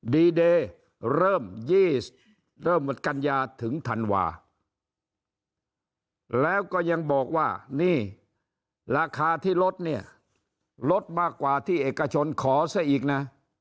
ดีเดย์เริ่มกันยาถึงธันวาแล้วก็ยังบอกว่านี่ราคาที่ลดเนี่ยลดมากกว่าที่เอกชนขอซะอีกนะ